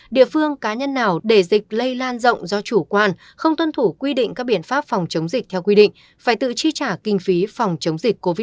địa phương cá nhân nào để dịch lây lan rộng do chủ quan không tuân thủ quy định các biện pháp phòng chống dịch theo quy định phải tự chi trả kinh phí phòng chống dịch covid một mươi chín